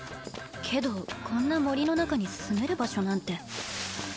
けどこんな森の中に住める場所なんて。